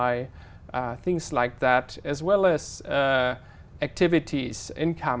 mà chúng ta đạt được ở việt nam